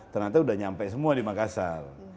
ternyata sudah nyampe semua di makassar